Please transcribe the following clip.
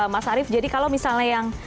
mas arief jadi kalau misalnya yang